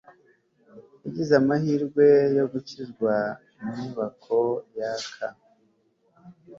yagize amahirwe yo gukizwa mu nyubako yaka